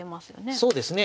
そうですね。